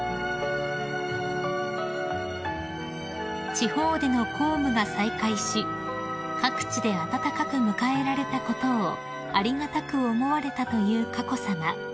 ［地方での公務が再開し各地で温かく迎えられたことをありがたく思われたという佳子さま］